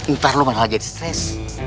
ntar lu malah jadi stres